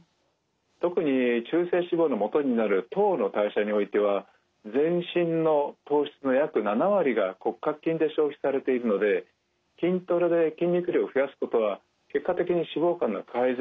特に中性脂肪のもとになる糖の代謝においては全身の糖質の約７割が骨格筋で消費されているので筋トレで筋肉量を増やすことは結果的に脂肪肝の改善に役立つんですね。